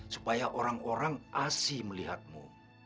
supaya orang orang asli melihatmu